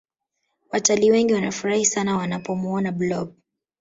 Wataliii wengi wanafurahi sana wanapomuona blob